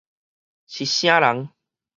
是啥人